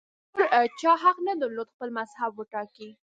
نور چا حق نه درلود خپل مذهب وټاکي